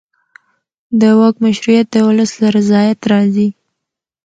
د واک مشروعیت د ولس له رضایت راځي